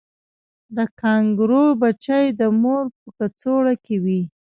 د کانګارو بچی د مور په کڅوړه کې وي